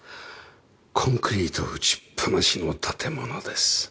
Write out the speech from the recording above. コンクリート打ちっぱなしの建物です。